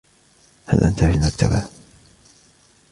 هل أنت في المكتبة؟